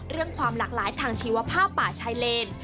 ความหลากหลายทางชีวภาพป่าชายเลน